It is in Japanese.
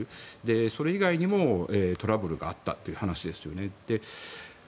それ以外にもトラブルがあったという話ですよね。